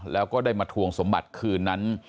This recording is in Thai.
แล้วก็ได้มาทวงสมบัติคืนนั้น